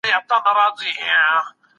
زه به اوږده موده کور پاک کړی وم.